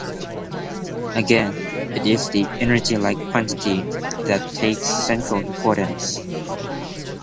Again, it is the energy-like quantity that takes central importance.